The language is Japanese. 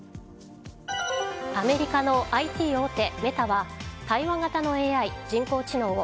アメリカのＩＴ大手メタは対話型のＡＩ・人工知能を